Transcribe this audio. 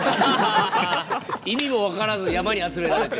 意味も分からず山に集められて。